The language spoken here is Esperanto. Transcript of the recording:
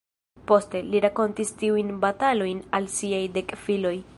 Poste, li rakontis tiujn batalojn al siaj dek filoj.